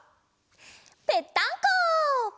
ぺったんこ！